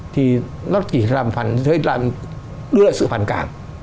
thì nó chỉ làm phản đưa lại sự phản cảm